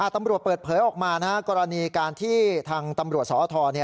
ตำรวจเปิดเผยออกมากรณีการที่ทางตำรวจสอทร